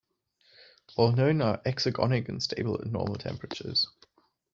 All known are exergonic and stable at normal temperatures.